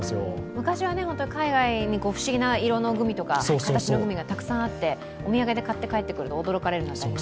昔は海外に不思議な色のグミとか形のグミがたくさんあってお土産で買って帰ってくると驚かれるみたいな。